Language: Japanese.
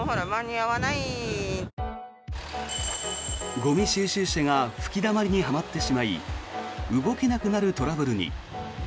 ゴミ収集車が吹きだまりにはまってしまい動けなくなるトラブルに。